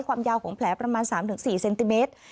ความยาวของแผลประมาณ๓๔เซนติเมตร